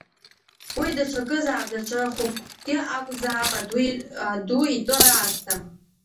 Уи даҽакызаап, даҽа хәыкгьы акәзаап, аду итәы аасҭа.